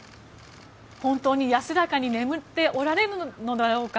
本当に安らかに眠っておられるのだろうか。